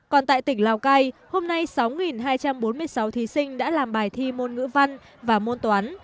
còn tại tỉnh lào cai hôm nay sáu hai trăm bốn mươi sáu thí sinh đã làm bài thi môn ngữ văn và môn toán